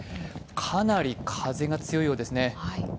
かなり風が強いようですね。